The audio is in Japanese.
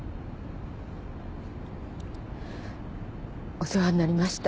お世話になりました。